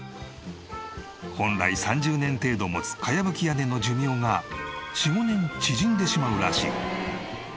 本来３０年程度持つ茅葺き屋根の寿命が４５年縮んでしまうらしい。